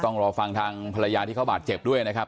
ต้องรอฟังทางภรรยาที่เขาบาดเจ็บด้วยนะครับ